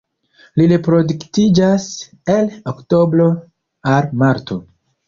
Ili reproduktiĝas el oktobro al marto.